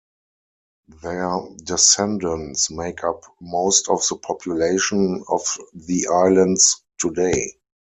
Their descendants make up most of the population of the islands today.